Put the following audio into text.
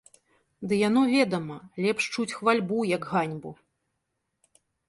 Ды яно, ведама, лепш чуць хвальбу, як ганьбу.